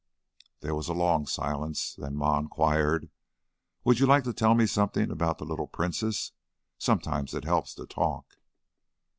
There was a long silence, then Ma inquired: "Would you like to tell me something about the little princess? Sometimes it helps, to talk."